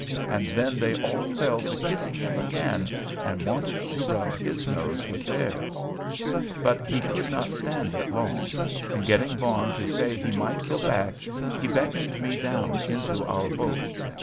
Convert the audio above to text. And then they all fell to kissing him again, and wanted to rub his nose with theirs. But he could not stand it long; and getting Vaughan to say he might go back, he beckoned me down into our boat.